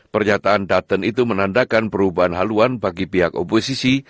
pernyataan dutton itu menandakan perubahan haluan bagi pihak oposisi